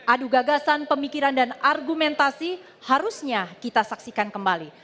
adu gagasan pemikiran dan argumentasi harusnya kita saksikan kembali